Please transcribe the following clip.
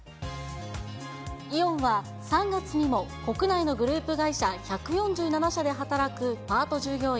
イオンは３月にも、国内のグループ会社１４７社で働くパート従業員